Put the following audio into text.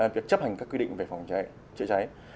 việc chấp hành các quy định về phòng cháy chữa cháy